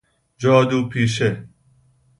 جادو پیشه